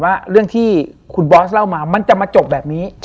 ว่าเรื่องที่คุณบอสเล่ามามันจะมาจบแบบนี้